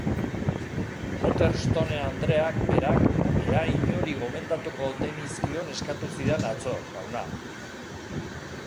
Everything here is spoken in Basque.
Hotherstone andreak berak ea inori gomendatuko ote nizkion eskatu zidan atzo, jauna.